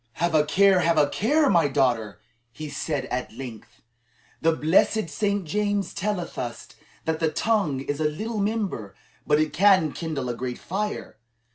"Have a care, have a care, my daughter!" he said at length. "The blessed Saint James telleth us that the tongue is a little member, but it can kindle a great fire.